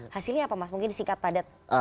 hasilnya apa mas mungkin singkat padat